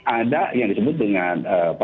ada yang disebut dengan